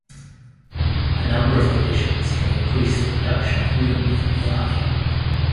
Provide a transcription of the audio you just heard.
A number of conditions can increase the production of rheum in the eye.